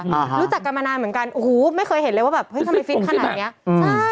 รู้จักกันมานานเหมือนกันโอ้โหไม่เคยเห็นเลยว่าแบบทำไมฟิตขนาดนี้